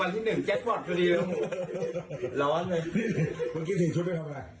วันที่หนึ่งแจช์ปรอดเขาดีเราร้อนเลยวันคือสิ่งชุดไม่ทำอะไร